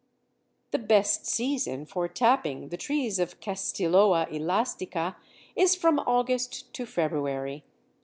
The best season for tapping the trees of Castilloa elastica is from August to February.